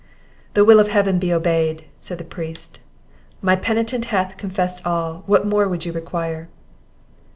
"The will of Heaven be obeyed!" said the priest. "My penitent hath confessed all; what more would you require?"